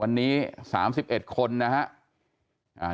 วันนี้๓๑คนนะครับ